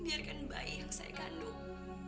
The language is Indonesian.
biarkan bayi yang saya kandung